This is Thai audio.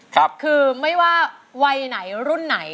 คือไม่ว่าวัยไหนรุ่นไหน